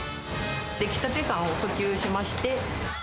出来たて感を訴求しまして。